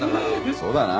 そうだな。